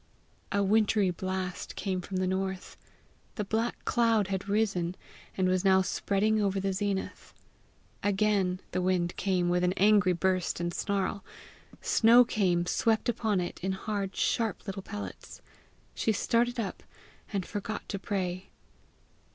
A wintery blast came from the north. The black cloud had risen, and was now spreading over the zenith. Again the wind came with an angry burst and snarl. Snow carne swept upon it in hard sharp little pellets. She started up, and forgot to pray.